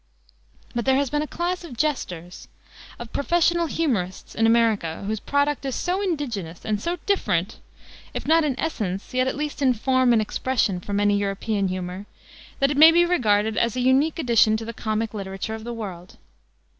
But there has been a class of jesters, of professional humorists in America, whose product is so indigenous, so different, if not in essence, yet at least in form and expression, from any European humor, that it may be regarded as a unique addition to the comic literature of the world.